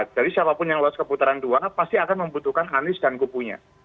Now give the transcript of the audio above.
jadi siapapun yang luas keputaran dua pasti akan membutuhkan anis dan kubunya